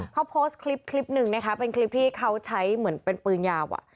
เขาโพสต์คลิป๑นะคะที่ให้เขาใช้เหมือนเปลืองยาว